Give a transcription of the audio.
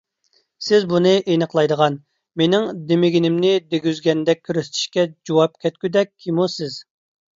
سىز بۇنى ئېنىقلايدىغان، مېنىڭ دېمىگىنىمنى دېگۈزگەندەك كۆرسىتىشكە جۇۋاپ كەتكۈدەك كىمۇ سىز؟